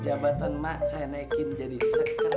jabatan mak saya naikin jadi sekeras